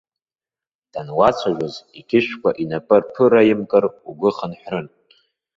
Дануацәажәоз иқьышәқәа инапы рԥыраимкыр, угәы хынҳәрын.